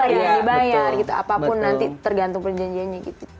dibayar gitu apapun nanti tergantung perjanjiannya gitu